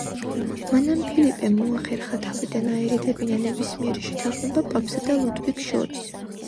მანამ ფილიპემ მოახერხა თავიდან აერიდებინა ნებისმიერი შეთანხმება პაპსა და ლუდვიგს შორის.